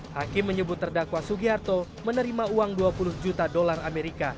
hakim menyebut terdakwa sugiharto menerima uang dua puluh juta dolar amerika